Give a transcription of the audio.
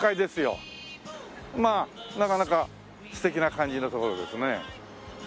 まあなかなか素敵な感じの所ですね。